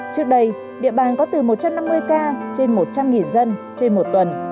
trước đây địa bàn có từ một trăm năm mươi ca trên một trăm linh dân trên một tuần